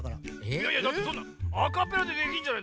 いやいやだってそんなアカペラでできんじゃない？